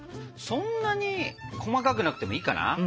そんなに細かくなくてもいいかな？